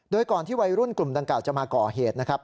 โดยก่อนที่วัยรุ่นกลุ่มดังกล่าจะมาก่อเหตุนะครับ